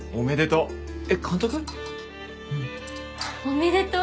うん。おめでとう！